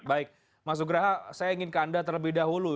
baik mas nugraha saya ingin ke anda terlebih dahulu